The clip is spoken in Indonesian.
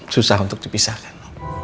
susah untuk dipisahkan no